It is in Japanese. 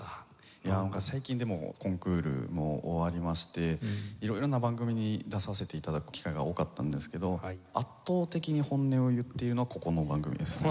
いや最近でもコンクールも終わりましていろいろな番組に出させて頂く機会が多かったんですけど圧倒的に本音を言っているのはここの番組ですね。